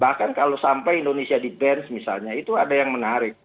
bahkan kalau sampai indonesia di bench misalnya itu ada yang menarik